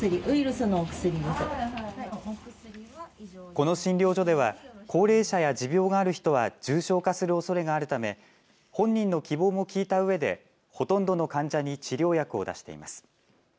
この診療所では高齢者や持病がある人は重症化するおそれがあるため本人の希望も聞いたうえでほとんどの患者に治療薬を出しています。